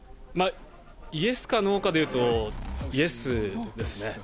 イエスかノーかでいうと、イエスですね。